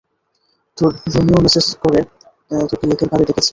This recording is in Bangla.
তোর রোমিও মেসেজ করে তোকে লেকের পাড়ে ডেকেছে!